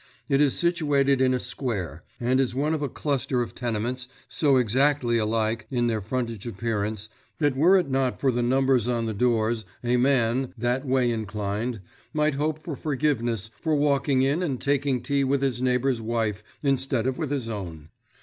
It is situated in a square, and is one of a cluster of tenements so exactly alike in their frontage appearance that were it not for the numbers on the doors a man, that way inclined, might hope for forgiveness for walking in and taking tea with his neighbour's wife instead of with his own.